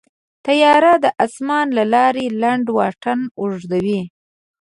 طیاره د اسمان له لارې لنډ واټن اوږدوي.